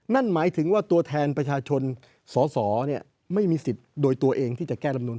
นั่นหมายถึงว่าตัวแทนประชาชนสอสอไม่มีสิทธิ์โดยตัวเองที่จะแก้ลำนูน